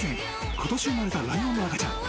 今年生まれたライオンの赤ちゃん。